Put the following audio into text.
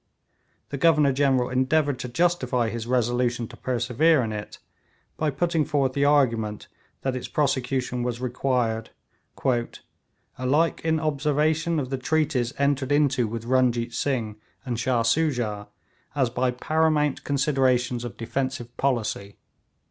The Governor General endeavoured to justify his resolution to persevere in it by putting forth the argument that its prosecution was required, 'alike in observation of the treaties entered into with Runjeet Singh and Shah Soojah as by paramount considerations of defensive policy.'